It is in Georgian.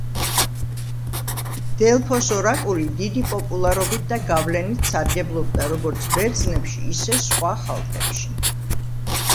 დელფოს ორაკული დიდი პოპულარობით და გავლენით სარგებლობდა როგორც ბერძნებში, ისე სხვა ხალხებში.